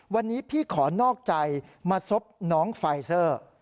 วันนี้พี่ขอนอกใจมาซบน้องไฟเซอร์